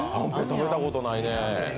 食べたことないね。